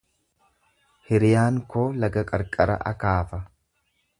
Hiriyaan koo laga qarqara akaafa.